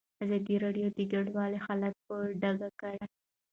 ازادي راډیو د کډوال حالت په ډاګه کړی.